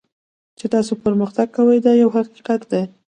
چې تاسو پرمختګ کوئ دا یو حقیقت دی.